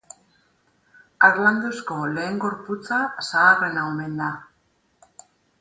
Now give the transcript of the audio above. Harlanduzko lehen gorputza zaharrena omen da.